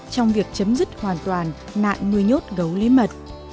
trong việc chấm dứt hoàn toàn nạn nuôi nhốt gấu lấy mật